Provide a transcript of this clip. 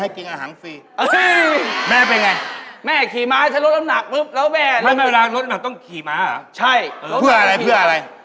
เป็นที่อะไรเหลือเลย